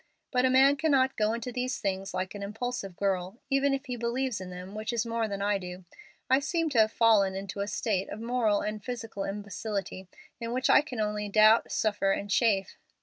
But a man cannot go into these things like an impulsive girl, even if he believes in them, which is more than I do. I seem to have fallen into a state of moral and physical imbecility, in which I can only doubt, suffer, and chafe.